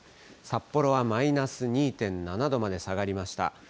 札幌はマイナス２．７度まで下がりました。